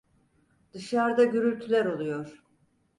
Dışarda gürültüler oluyor...